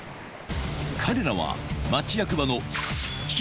彼らは町役場の危機